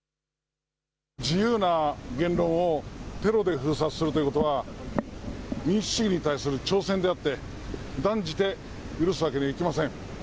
自由な言論をテロで封殺するということは、民主主義に対する挑戦であって、断じて許すわけにはいきません。